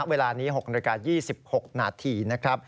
เวลานี้๖นาฬิกา๒๖นาทีนะครับ